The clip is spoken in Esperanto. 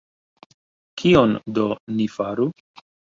Kion do ni faru?